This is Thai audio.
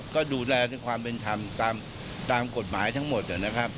ก็ดูแลความเป็นธรรมตามกฎหมายทั้งหมดนะครับ